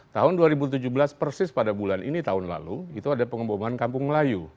tahun dua ribu tujuh belas persis pada bulan ini tahun lalu itu ada pengeboman kampung melayu